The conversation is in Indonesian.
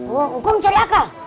kau kong cari akal